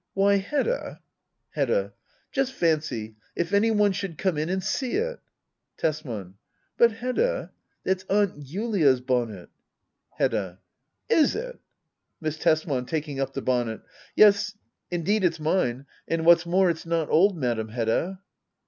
] ly, Hedda Hedda. Just fancy, if any one should come in and see it ! Tesman. But Hedda — ^that's Aunt Julia's bonnet Hedda. Is it! Miss Tesman. [Taking up the bonnet.] Yes, indeed it's mine. And, what's more, it's not old. Madam Hedda.